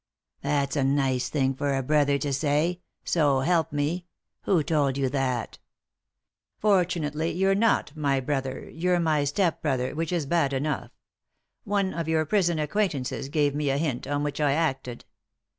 " That's a nice thing for a brother to say I — so help me ! Who told you that ?"" Fortunately you're not my brother ; you're my step brother, which is bad enough. One of your prison acquaintances gave me a hint, on which I acted.